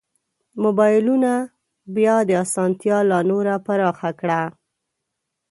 مبایلونو بیا دا اسانتیا لا نوره پراخه کړه.